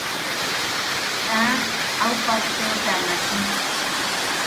Kaa au pappeta maachi.